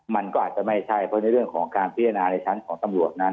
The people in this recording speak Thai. มันก็อาจจะไม่ใช่เพราะในเรื่องของการพิจารณาในชั้นของตำรวจนั้น